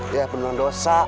ya penuh dosa